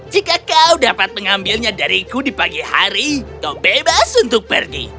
jika kau dapat mengambilnya dariku di pagi hari kau bebas untuk pergi